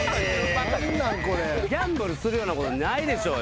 ギャンブルするようなことないでしょ。